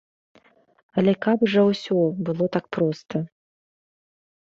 Але каб жа ўсё было так проста.